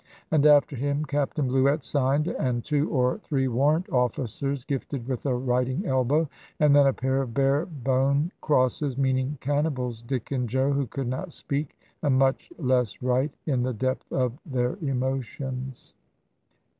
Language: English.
And after him Captain Bluett signed, and two or three warrant officers gifted with a writing elbow; and then a pair of bare bone crosses, meaning Cannibals Dick and Joe, who could not speak, and much less write, in the depth of their emotions.